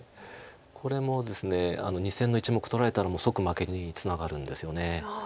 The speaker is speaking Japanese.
これもですね２線の１目取られたら即負けにつながるんですよね。